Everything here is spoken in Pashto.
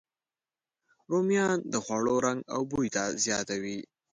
رومیان د خوړو رنګ او بوی زیاتوي